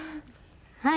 はい。